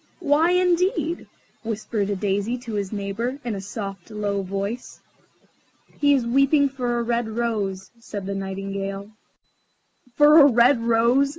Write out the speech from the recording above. "Why, indeed?" whispered a Daisy to his neighbour, in a soft, low voice. "He is weeping for a red rose," said the Nightingale. "For a red rose?"